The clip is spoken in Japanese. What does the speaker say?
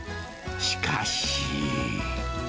しかし。